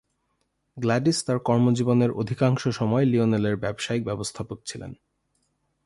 Gladys তার কর্মজীবনের অধিকাংশ সময় লিওনেলের ব্যবসায়িক ব্যবস্থাপক ছিলেন।